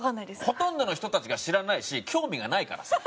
ほとんどの人たちが知らないし興味がないから。